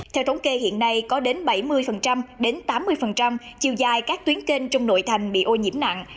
theo thống kê hiện nay có đến bảy mươi đến tám mươi chiều dài các tuyến kênh trong nội thành bị ô nhiễm nặng